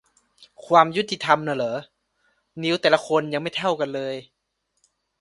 ความยุติธรรมนะเหรอ นิ้วแต่ละคนยังไม่เท่ากันเลย